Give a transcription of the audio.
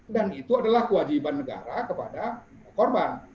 dan itu adalah kewajiban negara kepada korban